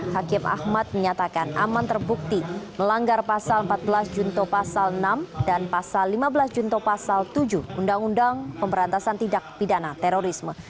hakim ahmad menyatakan aman terbukti melanggar pasal empat belas junto pasal enam dan pasal lima belas junto pasal tujuh undang undang pemberantasan tidak pidana terorisme